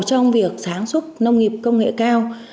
trong việc sản xuất nông nghiệp công nghệ cao